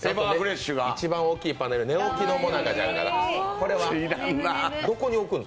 一番大きいパネル、寝起きのもなかちゃん、これはどこに置くの？